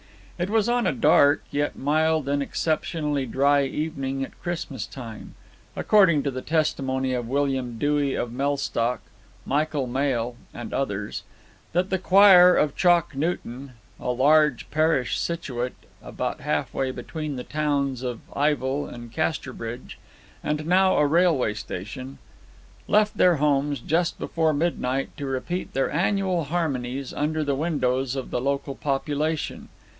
It was on a dark, yet mild and exceptionally dry evening at Christmas time (according to the testimony of William Dewy of Mellstock, Michael Mail, and others), that the choir of Chalk Newton a large parish situate about half way between the towns of Ivel and Casterbridge, and now a railway station left their homes just before midnight to repeat their annual harmonies under the windows of the local population.